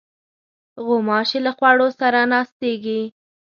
غوماشې له خوړو سره ناستېږي.